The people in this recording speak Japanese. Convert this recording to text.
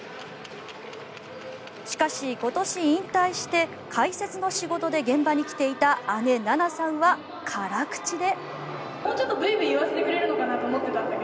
しかし、今年引退して解説の仕事で現場に来ていた姉・菜那さんは辛口で。